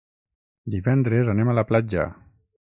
Divendres anem a la platja.